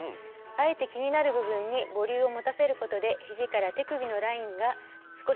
あえて気になる部分にボリュームを持たせることで肘から手首のラインが少し細く見えます。